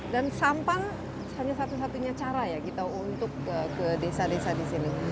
dan sampang hanya satu satunya cara ya kita untuk ke desa desa di sini